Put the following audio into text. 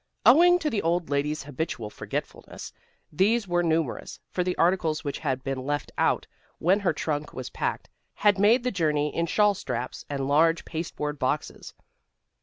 Owing to the old lady's habitual forgetfulness these were numerous, for the articles which had been left out when her trunk was packed had made the journey in shawlstraps and large pasteboard boxes.